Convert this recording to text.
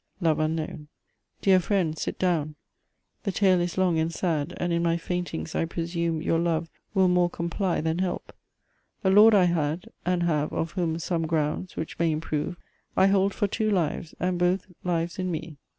LOVE UNKNOWN. Dear friend, sit down, the tale is long and sad And in my faintings, I presume, your love Will more comply than help. A Lord I had, And have, of whom some grounds, which may improve, I hold for two lives, and both lives in me.